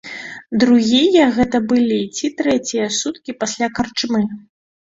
Другія гэта былі ці трэція суткі пасля карчмы?